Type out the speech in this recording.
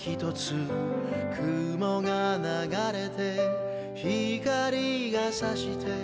「雲が流れて光がさして」